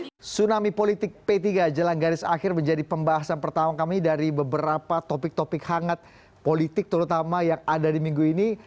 tsunami politik p tiga jelang garis akhir menjadi pembahasan pertama kami dari beberapa topik topik hangat politik terutama yang ada di minggu ini